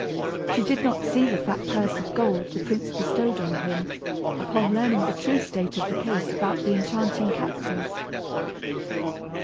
She did not see the fat purse of gold the prince bestowed on him, upon learning the true state of the case about the enchanting captive!